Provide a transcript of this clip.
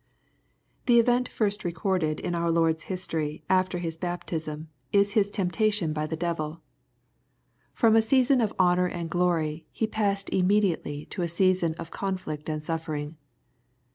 Thbt first event recorded in our Lord's history, after His baptism, is His temptation by the devil. From a season 108 EXhOSITOBY THOUGHTS. of honor and glory he passed immediately to a season of conflict and suffering.